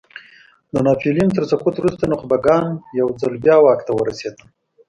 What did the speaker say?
د ناپیلیون تر سقوط وروسته نخبګان یو ځل بیا واک ته ورسېدل.